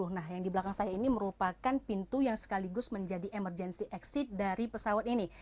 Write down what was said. nah yang di belakang saya ini merupakan pintu yang sekaligus menjadi emergency exit dari pesawat ini